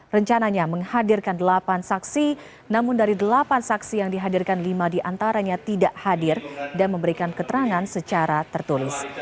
rencananya menghadirkan delapan saksi namun dari delapan saksi yang dihadirkan lima diantaranya tidak hadir dan memberikan keterangan secara tertulis